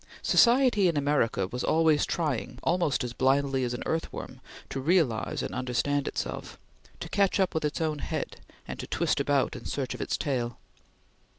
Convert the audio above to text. Society in America was always trying, almost as blindly as an earthworm, to realize and understand itself; to catch up with its own head, and to twist about in search of its tail.